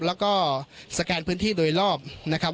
แล้วก็สแกนพื้นที่โดยรอบนะครับ